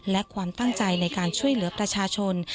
และความตั้งใจในการช่วยเหลือประชาชน